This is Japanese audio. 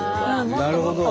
なるほど。